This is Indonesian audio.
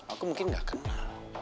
aku mungkin gak kenal